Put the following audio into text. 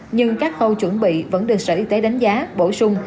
nhưng các khâu chuẩn bị vẫn được sở y tế đánh giá bổ sung